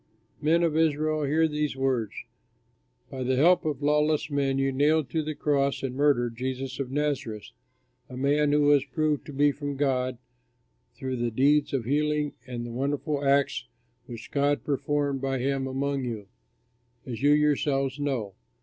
'" "Men of Israel, hear these words: By the help of lawless men you nailed to the cross and murdered Jesus of Nazareth, a man who was proved to be from God through the deeds of healing and the wonderful acts which God performed by him among you, as you yourselves know.